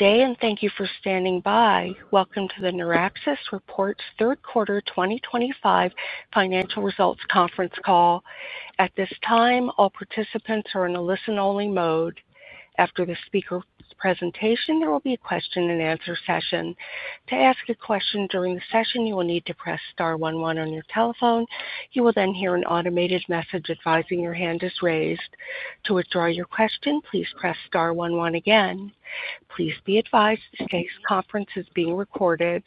Today, and thank you for standing by. Welcome to the NeurAxis Reports' third quarter 2025 financial results conference call. At this time, all participants are in a listen-only mode. After the speaker's presentation, there will be a question-and-answer session. To ask a question during the session, you will need to press star one one on your telephone. You will then hear an automated message advising your hand is raised. To withdraw your question, please press star one one again. Please be advised that today's conference is being recorded.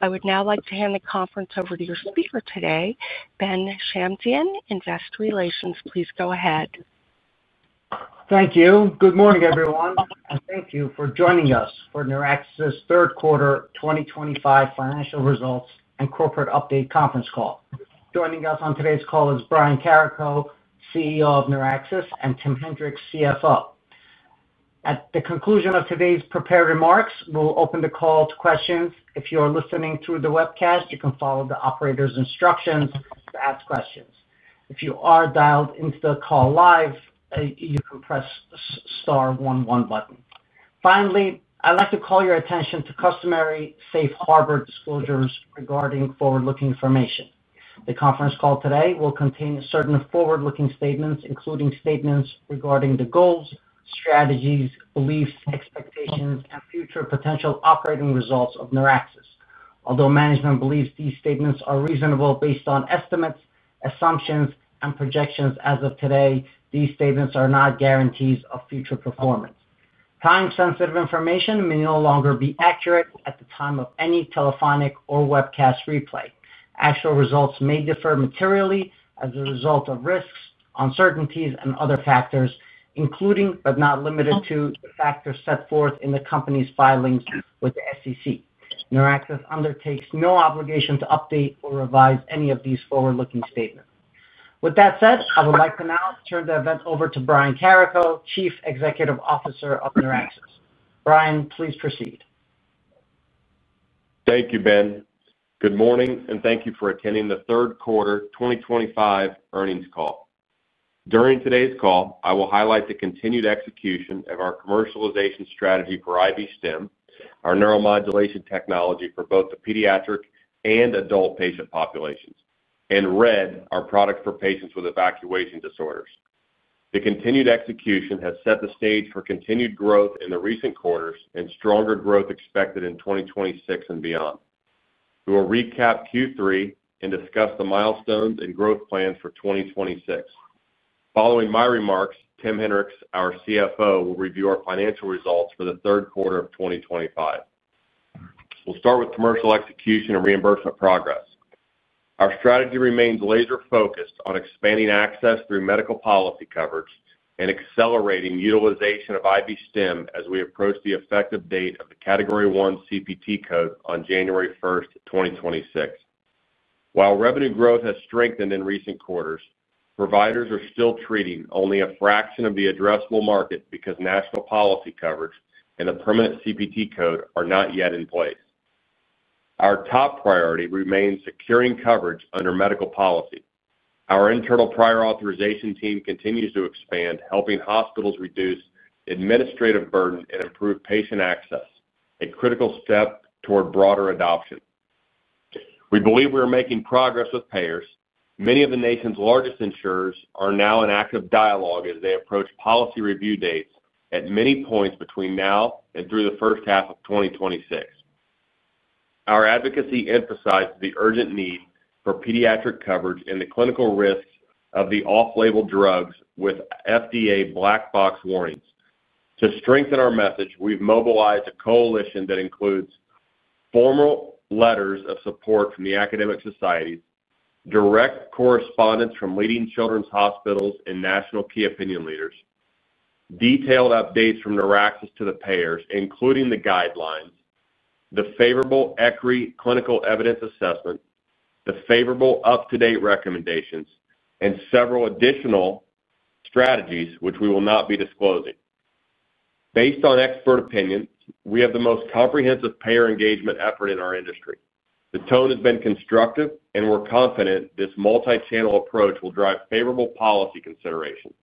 I would now like to hand the conference over to your speaker today, Ben Shamsian, Investor Relations. Please go ahead. Thank you. Good morning, everyone, and thank you for joining us for NeurAxis' third quarter 2025 financial results and corporate update conference call. Joining us on today's call is Brian Carrico, CEO of NeurAxis, and Tim Henrichs, CFO. At the conclusion of today's prepared remarks, we'll open the call to questions. If you are listening through the webcast, you can follow the operator's instructions to ask questions. If you are dialed into the call live, you can press the star one one button. Finally, I'd like to call your attention to customary Safe Harbor disclosures regarding forward-looking information. The conference call today will contain certain forward-looking statements, including statements regarding the goals, strategies, beliefs, expectations, and future potential operating results of NeurAxis. Although management believes these statements are reasonable based on estimates, assumptions, and projections as of today, these statements are not guarantees of future performance. Time-sensitive information may no longer be accurate at the time of any telephonic or webcast replay. Actual results may differ materially as a result of risks, uncertainties, and other factors, including but not limited to the factors set forth in the company's filings with the SEC. NeurAxis undertakes no obligation to update or revise any of these forward-looking statements. With that said, I would like to now turn the event over to Brian Carrico, Chief Executive Officer of NeurAxis. Brian, please proceed. Thank you, Ben. Good morning, and thank you for attending the third quarter 2025 earnings call. During today's call, I will highlight the continued execution of our commercialization strategy for IB-STIM, our neuromodulation technology for both the pediatric and adult patient populations, and RED, our product for patients with evacuation disorders. The continued execution has set the stage for continued growth in the recent quarters and stronger growth expected in 2026 and beyond. We will recap Q3 and discuss the milestones and growth plans for 2026. Following my remarks, Tim Henrichs, our CFO, will review our financial results for the third quarter of 2025. We'll start with commercial execution and reimbursement progress. Our strategy remains laser-focused on expanding access through medical policy coverage and accelerating utilization of IB-STIM as we approach the effective date of the Category 1 CPT code on January 1, 2026. While revenue growth has strengthened in recent quarters, providers are still treating only a fraction of the addressable market because national policy coverage and a permanent CPT code are not yet in place. Our top priority remains securing coverage under medical policy. Our internal prior authorization team continues to expand, helping hospitals reduce administrative burden and improve patient access, a critical step toward broader adoption. We believe we are making progress with payers. Many of the nation's largest insurers are now in active dialogue as they approach policy review dates at many points between now and through the first half of 2026. Our advocacy emphasizes the urgent need for pediatric coverage and the clinical risks of the off-label drugs with FDA black box warnings. To strengthen our message, we've mobilized a coalition that includes formal letters of support from the academic societies, direct correspondence from leading children's hospitals and national key opinion leaders, detailed updates from NeurAxis to the payers, including the guidelines, the favorable ECRI clinical evidence assessment, the favorable UpToDate recommendations, and several additional strategies, which we will not be disclosing. Based on expert opinions, we have the most comprehensive payer engagement effort in our industry. The tone has been constructive, and we're confident this multi-channel approach will drive favorable policy consideration.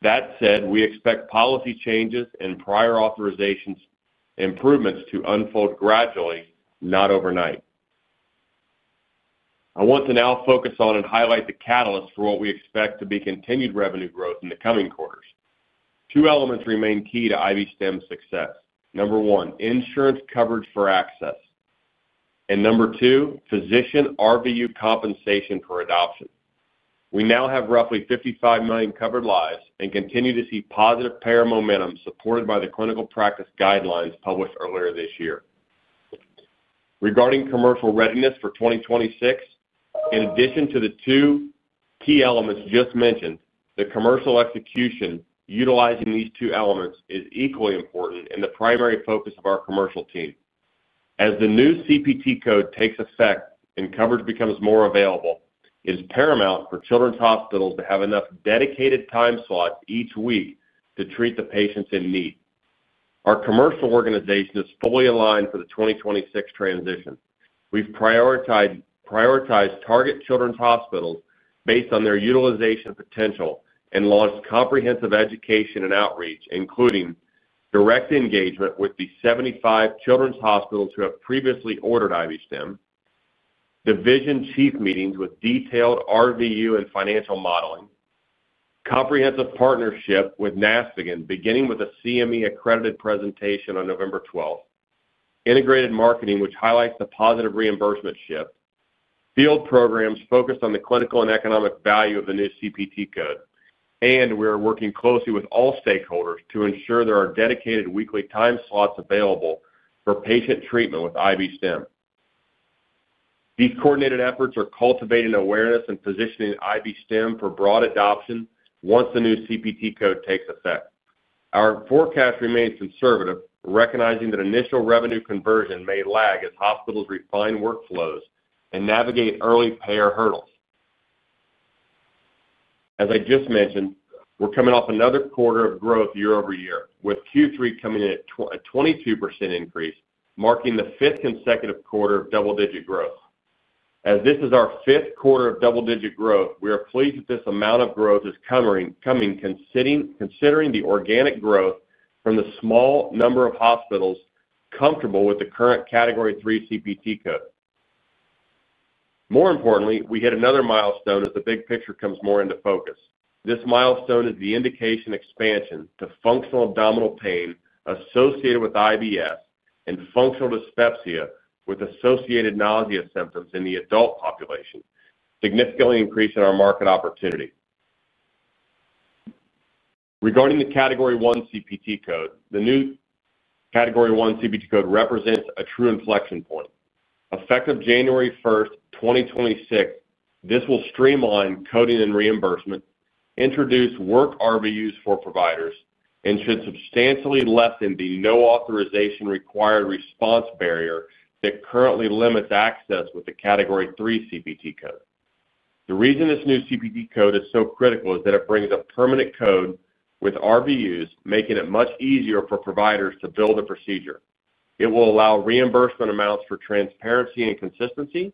That said, we expect policy changes and prior authorization improvements to unfold gradually, not overnight. I want to now focus on and highlight the catalysts for what we expect to be continued revenue growth in the coming quarters. Two elements remain key to IB-STIM success. Number one, insurance coverage for access. And number two, physician RVU compensation for adoption. We now have roughly 55 million covered lives and continue to see positive payer momentum supported by the clinical practice guidelines published earlier this year. Regarding commercial readiness for 2026, in addition to the two key elements just mentioned, the commercial execution utilizing these two elements is equally important and the primary focus of our commercial team. As the new CPT code takes effect and coverage becomes more available, it is paramount for children's hospitals to have enough dedicated time slots each week to treat the patients in need. Our commercial organization is fully aligned for the 2026 transition. We've prioritized target children's hospitals based on their utilization potential and launched comprehensive education and outreach, including direct engagement with the 75 children's hospitals who have previously ordered IB-STIM, division chief meetings with detailed RVU and financial modeling, comprehensive partnership with NASPGHAN, beginning with a CME-accredited presentation on November 12th, integrated marketing, which highlights the positive reimbursement shift, field programs focused on the clinical and economic value of the new CPT code, and we are working closely with all stakeholders to ensure there are dedicated weekly time slots available for patient treatment with IB-STIM. These coordinated efforts are cultivating awareness and positioning IB-STIM for broad adoption once the new CPT code takes effect. Our forecast remains conservative, recognizing that initial revenue conversion may lag as hospitals refine workflows and navigate early payer hurdles. As I just mentioned, we're coming off another quarter of growth year over year, with Q3 coming in at a 22% increase, marking the fifth consecutive quarter of double-digit growth. As this is our fifth quarter of double-digit growth, we are pleased that this amount of growth is coming considering the organic growth from the small number of hospitals comfortable with the current Category 3 CPT code. More importantly, we hit another milestone as the big picture comes more into focus. This milestone is the indication expansion to functional abdominal pain associated with IBS and functional dyspepsia with associated nausea symptoms in the adult population, significantly increasing our market opportunity. Regarding the Category 1 CPT code, the new Category 1 CPT code represents a true inflection point. Effective January 1, 2026, this will streamline coding and reimbursement, introduce work RVUs for providers, and should substantially lessen the no authorization required response barrier that currently limits access with the Category 3 CPT code. The reason this new CPT code is so critical is that it brings a permanent code with RVUs, making it much easier for providers to bill the procedure. It will allow reimbursement amounts for transparency and consistency,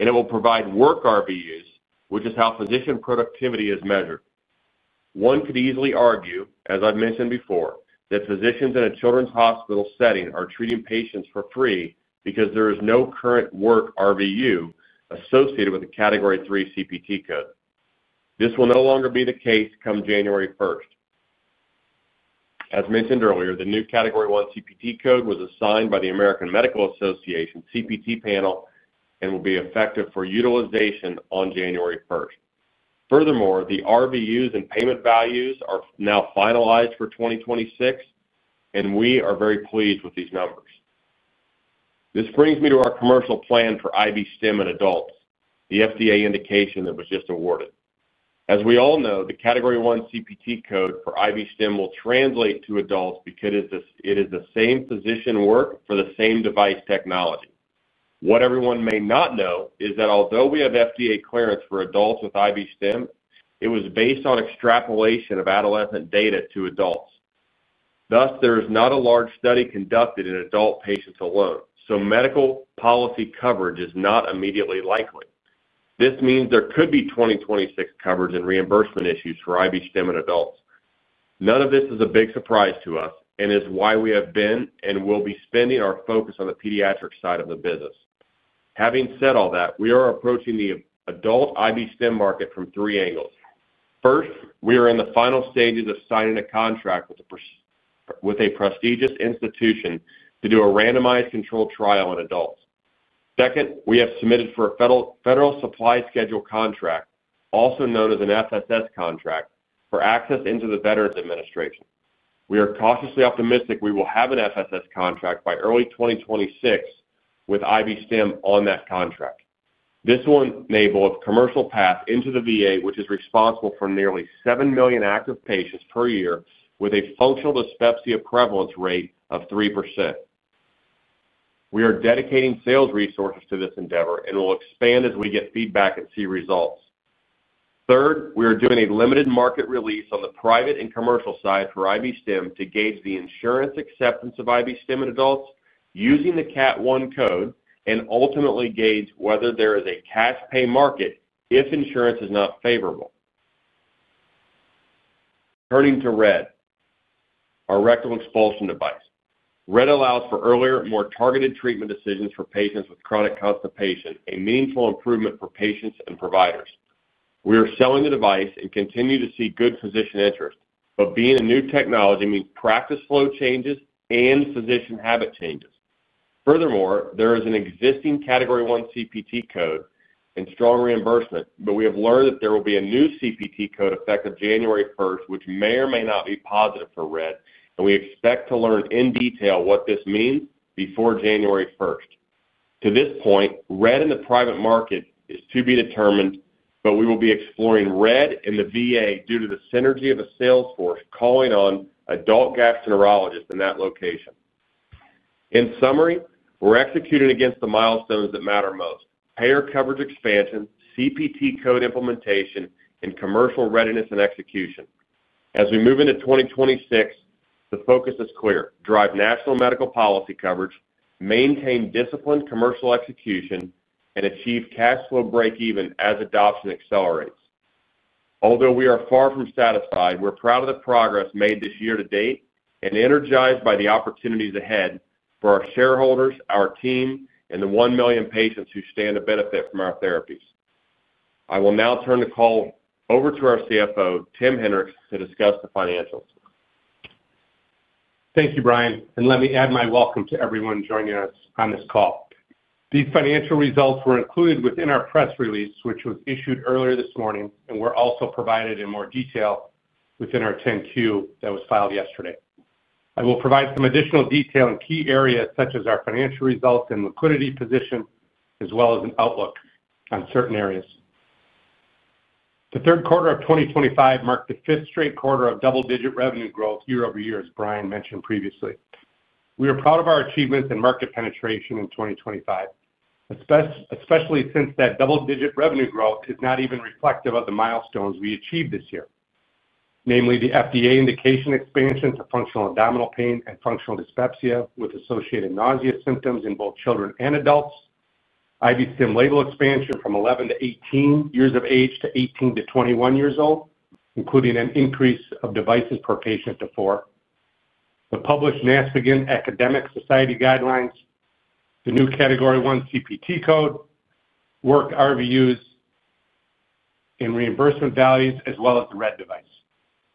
and it will provide work RVUs, which is how physician productivity is measured. One could easily argue, as I've mentioned before, that physicians in a children's hospital setting are treating patients for free because there is no current work RVU associated with the Category 3 CPT code. This will no longer be the case come January 1. As mentioned earlier, the new Category 1 CPT code was assigned by the American Medical Association CPT panel and will be effective for utilization on January 1. Furthermore, the RVUs and payment values are now finalized for 2026, and we are very pleased with these numbers. This brings me to our commercial plan for IB-STIM and adults, the FDA indication that was just awarded. As we all know, the Category 1 CPT code for IB-STIM will translate to adults because it is the same physician work for the same device technology. What everyone may not know is that although we have FDA clearance for adults with IB-STIM, it was based on extrapolation of adolescent data to adults. Thus, there is not a large study conducted in adult patients alone, so medical policy coverage is not immediately likely. This means there could be 2026 coverage and reimbursement issues for IB-STIM and adults. None of this is a big surprise to us and is why we have been and will be spending our focus on the pediatric side of the business. Having said all that, we are approaching the adult IB-STIM market from three angles. First, we are in the final stages of signing a contract with a prestigious institution to do a randomized control trial in adults. Second, we have submitted for a federal supply schedule contract, also known as an FSS contract, for access into the Veterans Administration. We are cautiously optimistic we will have an FSS contract by early 2026 with IB-STIM on that contract. This will enable a commercial path into the VA, which is responsible for nearly 7 million active patients per year with a functional dyspepsia prevalence rate of 3%. We are dedicating sales resources to this endeavor and will expand as we get feedback and see results. Third, we are doing a limited market release on the private and commercial side for IB-STIM to gauge the insurance acceptance of IB-STIM in adults using the Category 1 CPT code and ultimately gauge whether there is a cash pay market if insurance is not favorable. Turning to RED, our rectal expulsion device. RED allows for earlier, more targeted treatment decisions for patients with chronic constipation, a meaningful improvement for patients and providers. We are selling the device and continue to see good physician interest, but being a new technology means practice flow changes and physician habit changes. Furthermore, there is an existing Category 1 CPT code and strong reimbursement, but we have learned that there will be a new CPT code effective January 1, which may or may not be positive for RED, and we expect to learn in detail what this means before January 1. To this point, RED in the private market is to be determined, but we will be exploring RED in the VA due to the synergy of a sales force calling on adult gastroenterologists in that location. In summary, we're executing against the milestones that matter most: payer coverage expansion, CPT code implementation, and commercial readiness and execution. As we move into 2026, the focus is clear: drive national medical policy coverage, maintain disciplined commercial execution, and achieve cash flow breakeven as adoption accelerates. Although we are far from satisfied, we're proud of the progress made this year to date and energized by the opportunities ahead for our shareholders, our team, and the 1 million patients who stand to benefit from our therapies. I will now turn the call over to our CFO, Tim Henrichs, to discuss the financials. Thank you, Brian. Let me add my welcome to everyone joining us on this call. These financial results were included within our press release, which was issued earlier this morning, and were also provided in more detail within our 10Q that was filed yesterday. I will provide some additional detail in key areas such as our financial results and liquidity position, as well as an outlook on certain areas. The third quarter of 2025 marked the fifth straight quarter of double-digit revenue growth year over year, as Brian mentioned previously. We are proud of our achievements and market penetration in 2025, especially since that double-digit revenue growth is not even reflective of the milestones we achieved this year, namely the FDA indication expansion to functional abdominal pain and functional dyspepsia with associated nausea symptoms in both children and adults, IB-STIM label expansion from 11 to 18 years of age to 18 to 21 years old, including an increase of devices per patient to four, the published NASPGHAN Academic Society Guidelines, the new Category 1 CPT code, work RVUs and reimbursement values, as well as the RED device.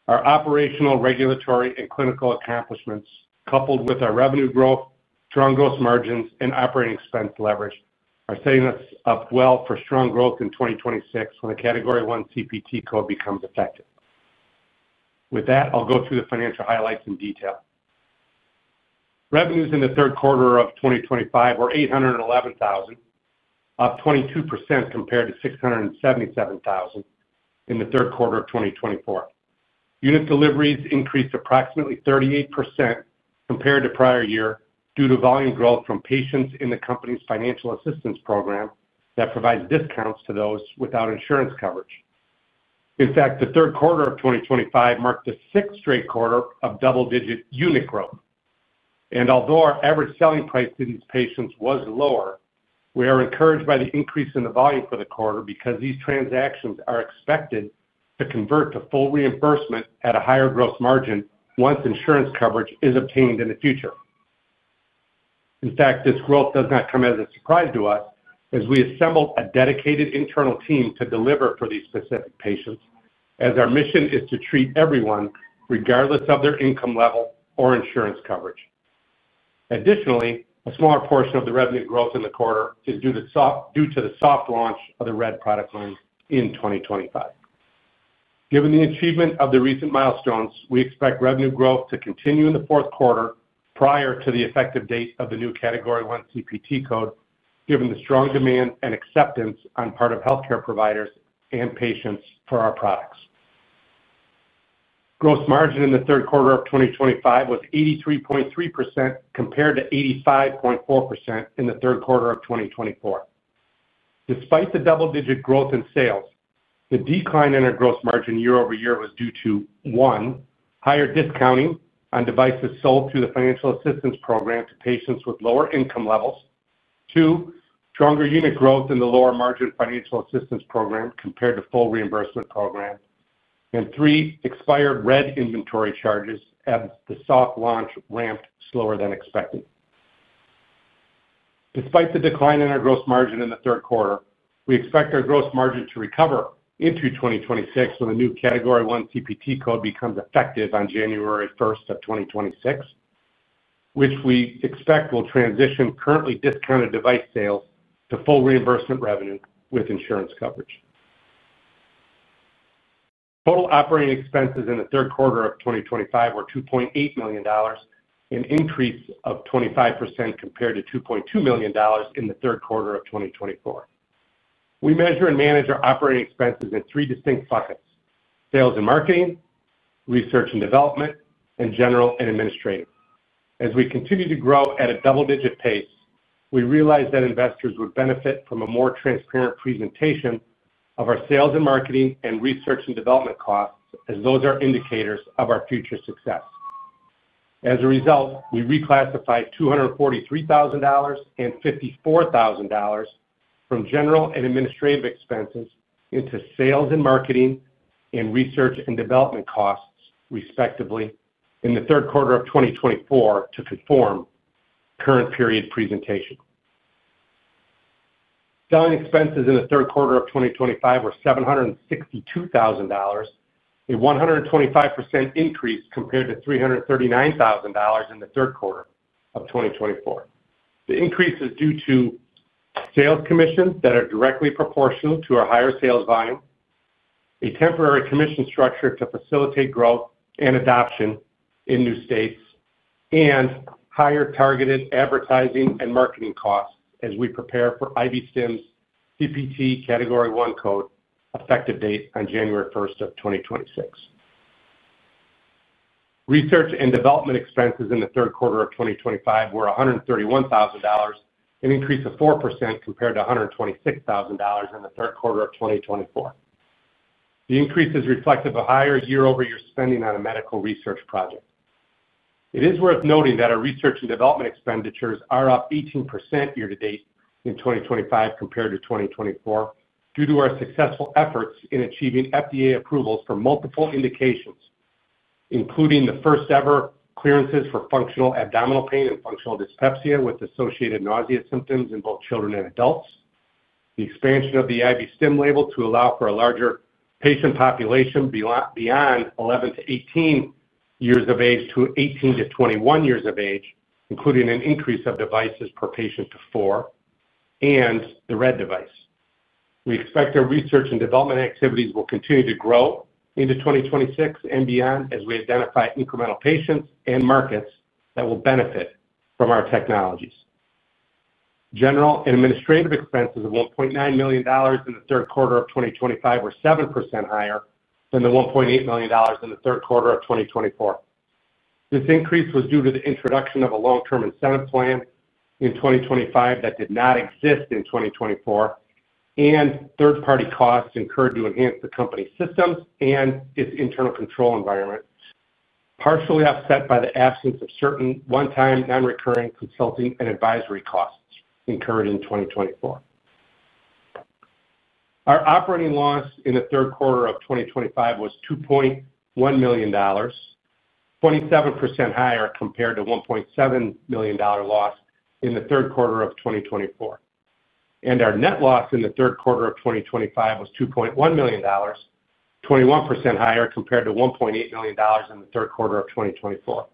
Our operational, regulatory, and clinical accomplishments, coupled with our revenue growth, strong gross margins, and operating expense leverage, are setting us up well for strong growth in 2026 when a Category 1 CPT code becomes effective. With that, I'll go through the financial highlights in detail. Revenues in the third quarter of 2025 were $811,000, up 22% compared to $677,000 in the third quarter of 2024. Unit deliveries increased approximately 38% compared to prior year due to volume growth from patients in the company's financial assistance program that provides discounts to those without insurance coverage. In fact, the third quarter of 2025 marked the sixth straight quarter of double-digit unit growth. Although our average selling price to these patients was lower, we are encouraged by the increase in the volume for the quarter because these transactions are expected to convert to full reimbursement at a higher gross margin once insurance coverage is obtained in the future. In fact, this growth does not come as a surprise to us as we assembled a dedicated internal team to deliver for these specific patients, as our mission is to treat everyone regardless of their income level or insurance coverage. Additionally, a smaller portion of the revenue growth in the quarter is due to the soft launch of the RED product line in 2025. Given the achievement of the recent milestones, we expect revenue growth to continue in the fourth quarter prior to the effective date of the new Category 1 CPT code, given the strong demand and acceptance on part of healthcare providers and patients for our products. Gross margin in the third quarter of 2025 was 83.3% compared to 85.4% in the third quarter of 2024. Despite the double-digit growth in sales, the decline in our gross margin year over year was due to, one, higher discounting on devices sold through the financial assistance program to patients with lower income levels, two, stronger unit growth in the lower margin financial assistance program compared to full reimbursement program, and three, expired RED inventory charges as the soft launch ramped slower than expected. Despite the decline in our gross margin in the third quarter, we expect our gross margin to recover into 2026 when the new Category 1 CPT code becomes effective on January 1 of 2026, which we expect will transition currently discounted device sales to full reimbursement revenue with insurance coverage. Total operating expenses in the third quarter of 2025 were $2.8 million, an increase of 25% compared to $2.2 million in the third quarter of 2024. We measure and manage our operating expenses in three distinct buckets: sales and marketing, research and development, and general and administrative. As we continue to grow at a double-digit pace, we realize that investors would benefit from a more transparent presentation of our sales and marketing and research and development costs, as those are indicators of our future success. As a result, we reclassified $243,000 and $54,000 from general and administrative expenses into sales and marketing and research and development costs, respectively, in the third quarter of 2024 to conform current period presentation. Selling expenses in the third quarter of 2025 were $762,000, a 125% increase compared to $339,000 in the third quarter of 2024. The increase is due to sales commissions that are directly proportional to our higher sales volume, a temporary commission structure to facilitate growth and adoption in new states, and higher targeted advertising and marketing costs as we prepare for IB-STIM's CPT Category 1 code effective date on January 1, 2026. Research and development expenses in the third quarter of 2025 were $131,000, an increase of 4% compared to $126,000 in the third quarter of 2024. The increase is reflective of higher year-over-year spending on a medical research project. It is worth noting that our research and development expenditures are up 18% year to date in 2025 compared to 2024 due to our successful efforts in achieving FDA approvals for multiple indications, including the first-ever clearances for functional abdominal pain and functional dyspepsia with associated nausea symptoms in both children and adults, the expansion of the IB-STIM label to allow for a larger patient population beyond 11-18 years of age to 18-21 years of age, including an increase of devices per patient to four, and the RED device. We expect our research and development activities will continue to grow into 2026 and beyond as we identify incremental patients and markets that will benefit from our technologies. General and administrative expenses of $1.9 million in the third quarter of 2025 were 7% higher than the $1.8 million in the third quarter of 2024. This increase was due to the introduction of a long-term incentive plan in 2025 that did not exist in 2024, and third-party costs incurred to enhance the company's systems and its internal control environment, partially offset by the absence of certain one-time non-recurring consulting and advisory costs incurred in 2024. Our operating loss in the third quarter of 2025 was $2.1 million, 27% higher compared to $1.7 million loss in the third quarter of 2024. Our net loss in the third quarter of 2025 was $2.1 million, 21% higher compared to $1.8 million in the third quarter of 2024.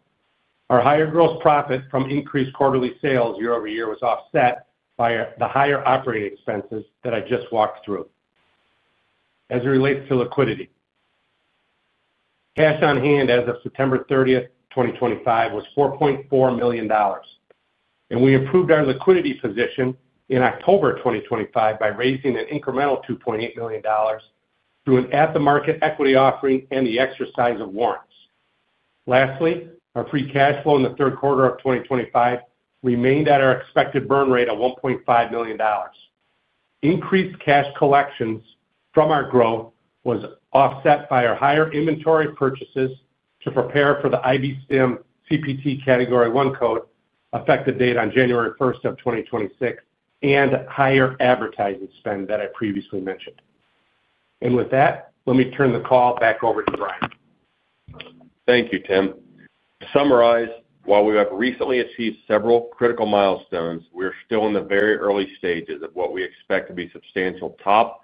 Our higher gross profit from increased quarterly sales year over year was offset by the higher operating expenses that I just walked through. As it relates to liquidity, cash on hand as of September 30, 2025, was $4.4 million. We improved our liquidity position in October 2025 by raising an incremental $2.8 million through an at-the-market equity offering and the exercise of warrants. Lastly, our free cash flow in the third quarter of 2025 remained at our expected burn rate of $1.5 million. Increased cash collections from our growth was offset by our higher inventory purchases to prepare for the IB-STIM CPT Category 1 code effective date on January 1, 2026 and higher advertising spend that I previously mentioned. With that, let me turn the call back over to Brian. Thank you, Tim. To summarize, while we have recently achieved several critical milestones, we are still in the very early stages of what we expect to be substantial top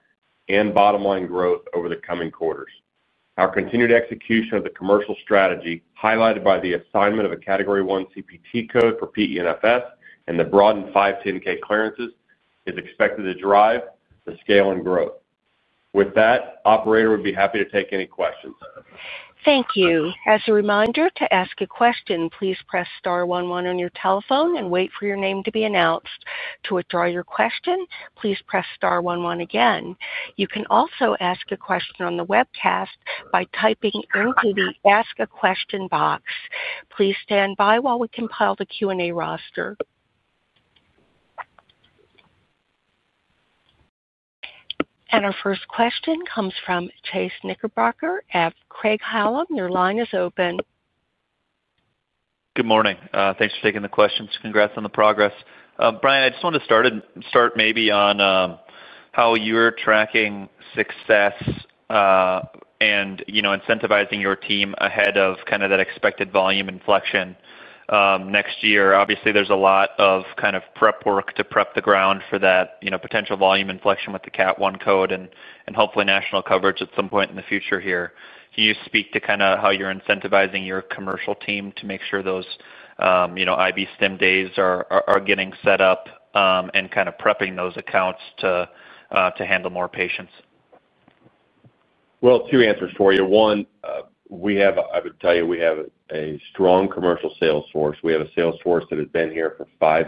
and bottom-line growth over the coming quarters. Our continued execution of the commercial strategy highlighted by the assignment of a Category 1 CPT code for PENFS and the broadened 510(k) clearances is expected to drive the scale and growth. With that, Operator would be happy to take any questions. Thank you. As a reminder, to ask a question, please press star one one on your telephone and wait for your name to be announced. To withdraw your question, please press star one one again. You can also ask a question on the webcast by typing into the Ask a Question box. Please stand by while we compile the Q&A roster. Our first question comes from Chase Knickerbocker at Craig-Hallum. Your line is open. Good morning. Thanks for taking the questions. Congrats on the progress. Brian, I just wanted to start maybe on how you're tracking success and incentivizing your team ahead of kind of that expected volume inflection next year. Obviously, there's a lot of kind of prep work to prep the ground for that potential volume inflection with the Category 1 CPT code and hopefully national coverage at some point in the future here. Can you speak to kind of how you're incentivizing your commercial team to make sure those IB-STIM days are getting set up and kind of prepping those accounts to handle more patients? Two answers for you. One, I would tell you we have a strong commercial sales force. We have a sales force that has been here for five,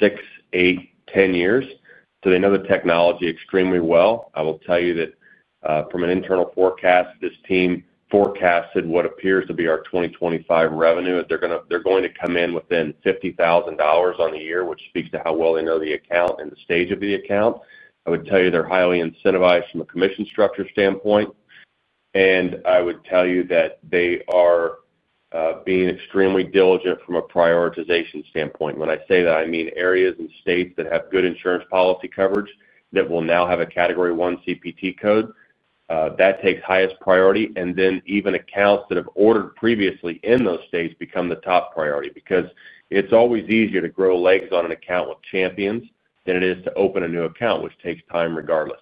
six, eight, ten years. So they know the technology extremely well. I will tell you that from an internal forecast, this team forecasted what appears to be our 2025 revenue. They're going to come in within $50,000 on the year, which speaks to how well they know the account and the stage of the account. I would tell you they're highly incentivized from a commission structure standpoint. I would tell you that they are being extremely diligent from a prioritization standpoint. When I say that, I mean areas and states that have good insurance policy coverage that will now have a Category 1 CPT code. That takes highest priority. Even accounts that have ordered previously in those states become the top priority because it's always easier to grow legs on an account with champions than it is to open a new account, which takes time regardless.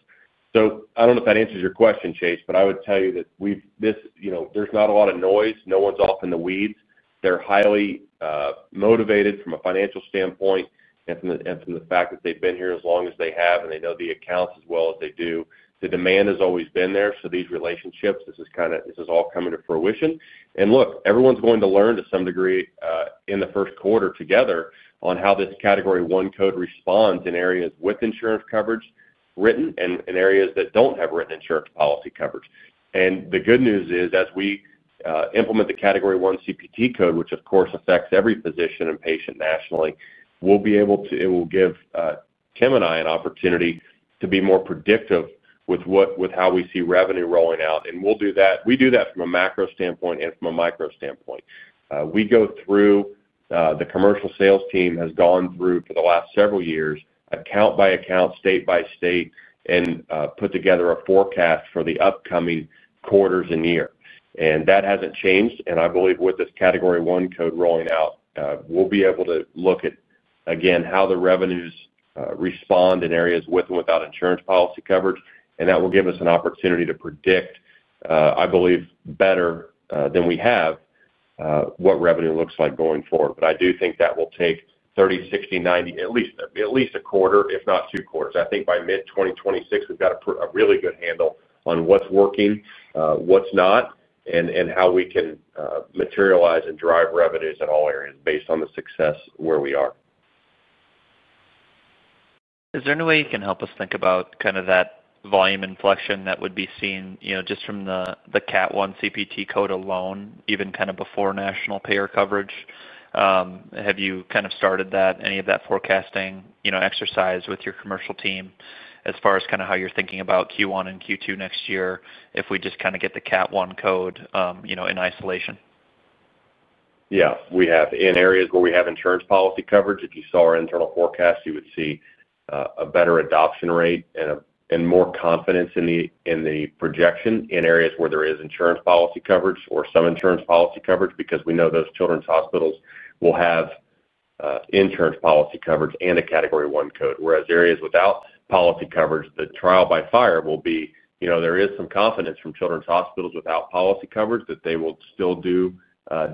I don't know if that answers your question, Chase, but I would tell you that there's not a lot of noise. No one's off in the weeds. They're highly motivated from a financial standpoint and from the fact that they've been here as long as they have and they know the accounts as well as they do. The demand has always been there. These relationships, this is all coming to fruition. Look, everyone's going to learn to some degree in the first quarter together on how this Category 1 code responds in areas with insurance coverage written and in areas that don't have written insurance policy coverage. The good news is, as we implement the Category 1 CPT code, which of course affects every physician and patient nationally, we'll be able to—it will give Tim and I an opportunity to be more predictive with how we see revenue rolling out. We do that from a macro standpoint and from a micro standpoint. We go through—the commercial sales team has gone through, for the last several years, account by account, state by state, and put together a forecast for the upcoming quarters and years. That hasn't changed. I believe with this Category 1 code rolling out, we'll be able to look at, again, how the revenues respond in areas with and without insurance policy coverage. That will give us an opportunity to predict, I believe, better than we have what revenue looks like going forward. I do think that will take 30, 60, 90, at least a quarter, if not two quarters. I think by mid-2026, we've got a really good handle on what's working, what's not, and how we can materialize and drive revenues in all areas based on the success where we are. Is there any way you can help us think about kind of that volume inflection that would be seen just from the Category 1 CPT code alone, even kind of before national payer coverage? Have you kind of started any of that forecasting exercise with your commercial team as far as kind of how you're thinking about Q1 and Q2 next year if we just kind of get the Category 1 code in isolation? Yeah. We have. In areas where we have insurance policy coverage, if you saw our internal forecast, you would see a better adoption rate and more confidence in the projection in areas where there is insurance policy coverage or some insurance policy coverage because we know those children's hospitals will have insurance policy coverage and a Category 1 code. Whereas areas without policy coverage, the trial by fire will be, there is some confidence from children's hospitals without policy coverage that they will still do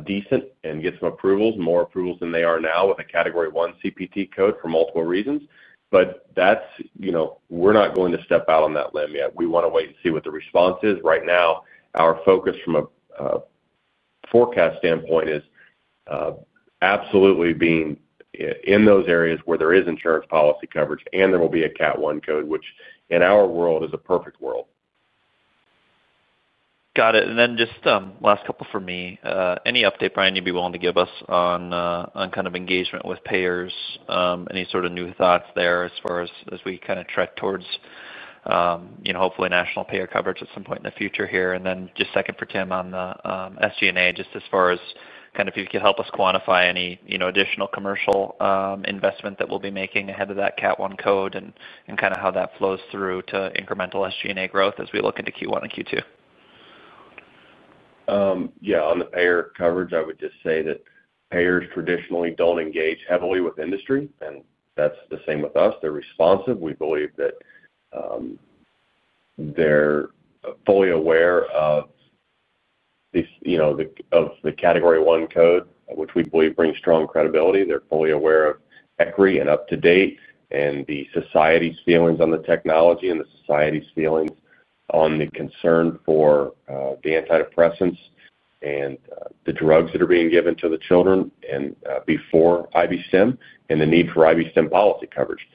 decent and get some approvals, more approvals than they are now with a Category 1 CPT code for multiple reasons. We are not going to step out on that limb yet. We want to wait and see what the response is. Right now, our focus from a forecast standpoint is absolutely being in those areas where there is insurance policy coverage, and there will be a Category 1 code, which in our world is a perfect world. Got it. And then just last couple for me. Any update, Brian, you'd be willing to give us on kind of engagement with payers? Any sort of new thoughts there as far as we kind of trek towards hopefully national payer coverage at some point in the future here? And then just second for Tim on the SG&A, just as far as kind of if you could help us quantify any additional commercial investment that we'll be making ahead of that Cat 1 code and kind of how that flows through to incremental SG&A growth as we look into Q1 and Q2. Yeah. On the payer coverage, I would just say that payers traditionally do not engage heavily with industry, and that is the same with us. They are responsive. We believe that they are fully aware of the Category 1 code, which we believe brings strong credibility. They are fully aware of ECRI and UpToDate and the society's feelings on the technology and the society's feelings on the concern for the antidepressants and the drugs that are being given to the children before IB-STIM and the need for IB-STIM policy coverage.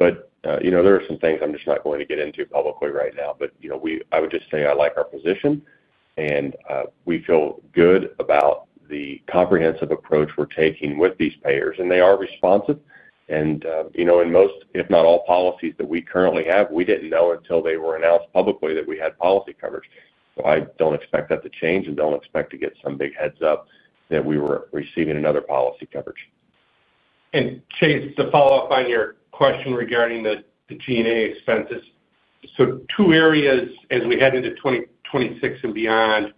There are some things I am just not going to get into publicly right now. I would just say I like our position, and we feel good about the comprehensive approach we are taking with these payers. They are responsive. In most, if not all, policies that we currently have, we did not know until they were announced publicly that we had policy coverage. I do not expect that to change and do not expect to get some big heads up that we are receiving another policy coverage. Chase, to follow up on your question regarding the G&A expenses, two areas as we head into 2026 and beyond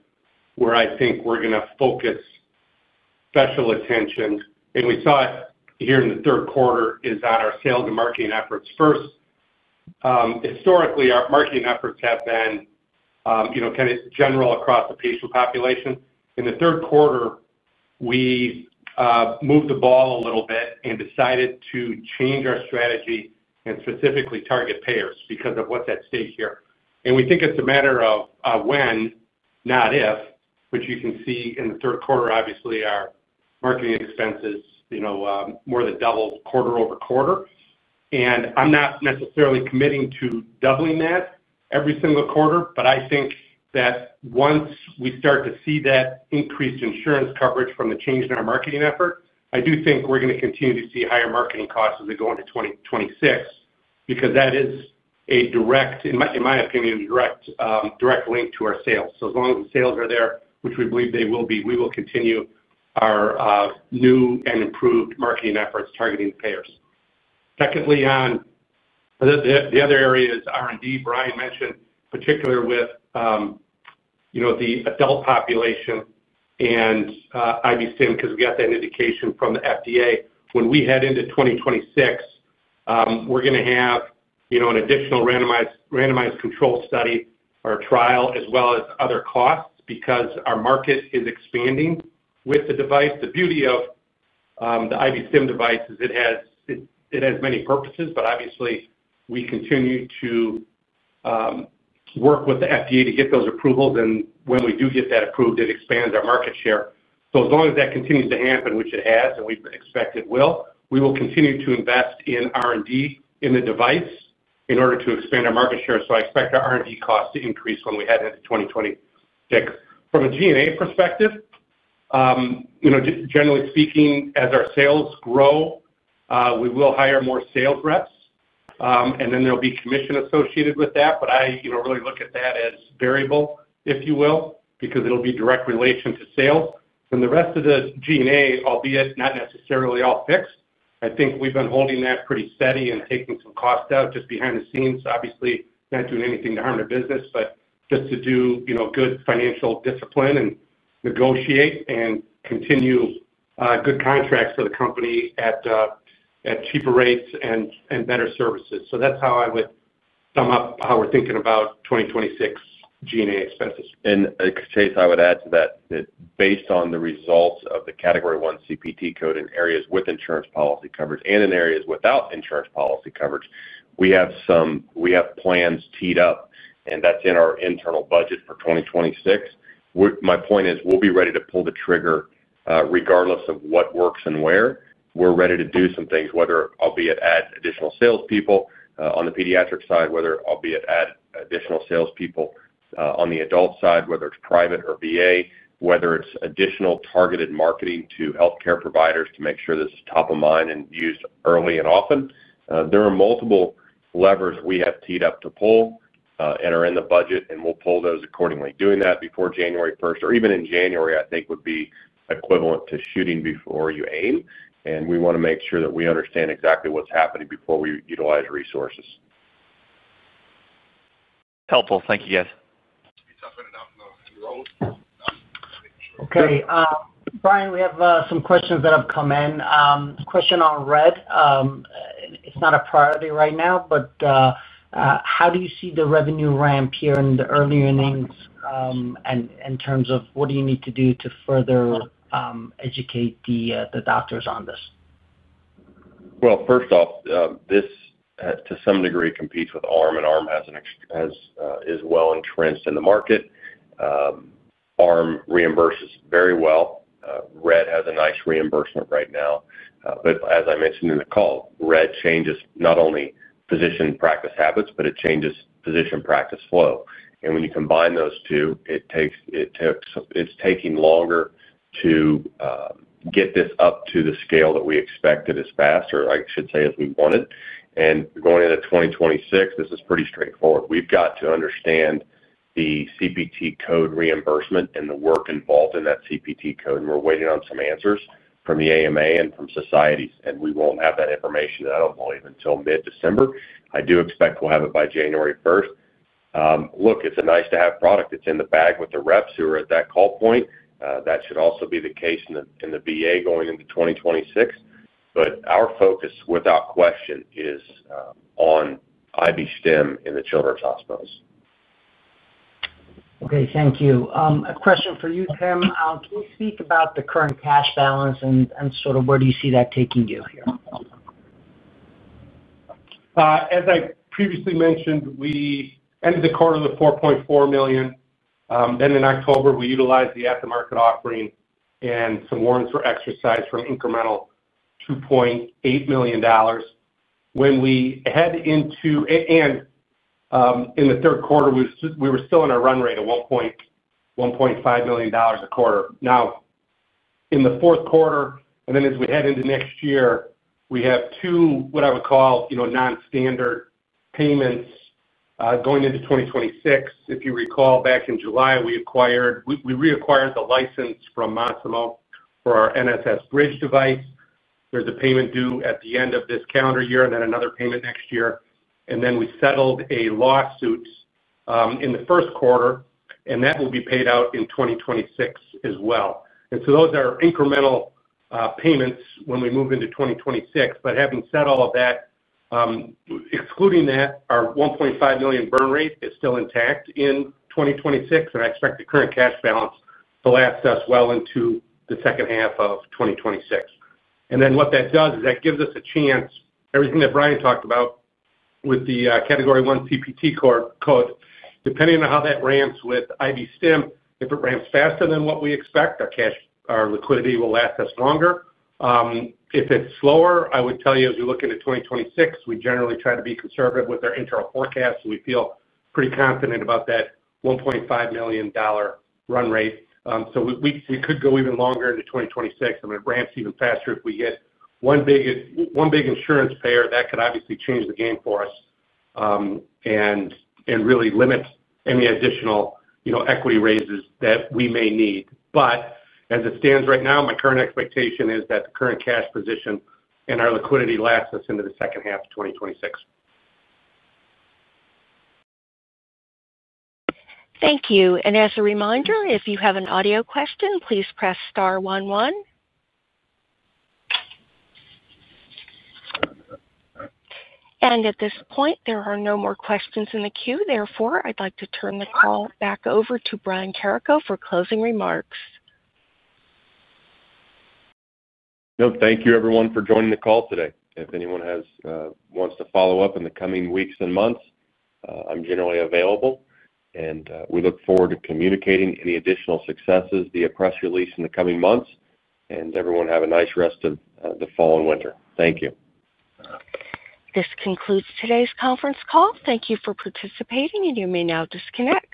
where I think we are going to focus special attention, and we saw it here in the third quarter, is on our sales and marketing efforts. First, historically, our marketing efforts have been kind of general across the patient population. In the third quarter, we moved the ball a little bit and decided to change our strategy and specifically target payers because of what is at stake here. We think it is a matter of when, not if, which you can see in the third quarter, obviously, our marketing expenses more than doubled quarter over quarter. I'm not necessarily committing to doubling that every single quarter, but I think that once we start to see that increased insurance coverage from the change in our marketing effort, I do think we're going to continue to see higher marketing costs as we go into 2026 because that is a direct, in my opinion, a direct link to our sales. As long as the sales are there, which we believe they will be, we will continue our new and improved marketing efforts targeting the payers. Secondly, the other area is R&D, Brian mentioned, particularly with the adult population and IB-STIM because we got that indication from the FDA. When we head into 2026, we're going to have an additional randomized control study or trial as well as other costs because our market is expanding with the device. The beauty of the IB-STIM device is it has many purposes, but obviously, we continue to work with the FDA to get those approvals. When we do get that approved, it expands our market share. As long as that continues to happen, which it has and we expect it will, we will continue to invest in R&D in the device in order to expand our market share. I expect our R&D costs to increase when we head into 2026. From a G&A perspective, generally speaking, as our sales grow, we will hire more sales reps. There will be commission associated with that. I really look at that as variable, if you will, because it will be a direct relation to sales. The rest of the G&A, albeit not necessarily all fixed, I think we've been holding that pretty steady and taking some costs out just behind the scenes. Obviously, not doing anything to harm the business, but just to do good financial discipline and negotiate and continue good contracts for the company at cheaper rates and better services. That is how I would sum up how we're thinking about 2026 G&A expenses. Chase, I would add to that that based on the results of the Category 1 CPT code in areas with insurance policy coverage and in areas without insurance policy coverage, we have plans teed up, and that's in our internal budget for 2026. My point is we'll be ready to pull the trigger regardless of what works and where. We're ready to do some things, whether I'll be at additional salespeople on the pediatric side, whether I'll be at additional salespeople on the adult side, whether it's private or VA, whether it's additional targeted marketing to healthcare providers to make sure this is top of mind and used early and often. There are multiple levers we have teed up to pull and are in the budget, and we'll pull those accordingly. Doing that before January 1 or even in January, I think, would be equivalent to shooting before you aim. We want to make sure that we understand exactly what's happening before we utilize resources. Helpful. Thank you, guys. Okay. Brian, we have some questions that have come in. Question on RED. It's not a priority right now, but how do you see the revenue ramp here in the early earnings in terms of what do you need to do to further educate the doctors on this? First off, this to some degree competes with ARM, and ARM is well entrenched in the market. ARM reimburses very well. RED has a nice reimbursement right now. As I mentioned in the call, RED changes not only physician practice habits, but it changes physician practice flow. When you combine those two, it's taking longer to get this up to the scale that we expected as fast, or I should say as we wanted. Going into 2026, this is pretty straightforward. We've got to understand the CPT code reimbursement and the work involved in that CPT code. We're waiting on some answers from the AMA and from societies, and we won't have that information, I don't believe, until mid-December. I do expect we'll have it by January 1. Look, it's a nice-to-have product. It's in the bag with the reps who are at that call point. That should also be the case in the VA going into 2026. Our focus, without question, is on IB-STIM in the children's hospitals. Okay. Thank you. A question for you, Tim. Can you speak about the current cash balance and sort of where do you see that taking you here? As I previously mentioned, we ended the quarter with $4.4 million. Then in October, we utilized the at-the-market offering and some warrants for exercise for an incremental $2.8 million. When we head into—and in the third quarter, we were still in our run rate of $1.5 million a quarter. Now, in the fourth quarter, and then as we head into next year, we have two, what I would call, non-standard payments going into 2026. If you recall, back in July, we reacquired the license from Masimo for our NSS Bridge device. There's a payment due at the end of this calendar year and then another payment next year. And then we settled a lawsuit in the first quarter, and that will be paid out in 2026 as well. And so those are incremental payments when we move into 2026. Having said all of that, excluding that, our $1.5 million burn rate is still intact in 2026, and I expect the current cash balance to last us well into the second half of 2026. What that does is that gives us a chance—everything that Brian talked about with the Category 1 CPT code, depending on how that ramps with IB-STIM, if it ramps faster than what we expect, our liquidity will last us longer. If it is slower, I would tell you, as we look into 2026, we generally try to be conservative with our internal forecasts. We feel pretty confident about that $1.5 million run rate. We could go even longer into 2026. I mean, it ramps even faster if we get one big insurance payer. That could obviously change the game for us and really limit any additional equity raises that we may need. As it stands right now, my current expectation is that the current cash position and our liquidity lasts us into the second half of 2026. Thank you. As a reminder, if you have an audio question, please press star one one. At this point, there are no more questions in the queue. Therefore, I would like to turn the call back over to Brian Carrico for closing remarks. No, thank you, everyone, for joining the call today. If anyone wants to follow up in the coming weeks and months, I'm generally available. We look forward to communicating any additional successes via press release in the coming months. Everyone have a nice rest of the fall and winter. Thank you. This concludes today's conference call. Thank you for participating, and you may now disconnect.